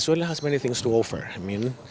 ada banyak yang harus diberikan